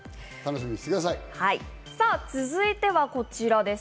続いてはこちらです。